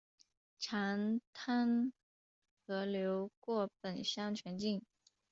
长滩河流过本乡全境。